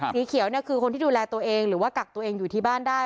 สีเขียวเนี่ยคือคนที่ดูแลตัวเองหรือว่ากักตัวอยู่ที่บ้านได้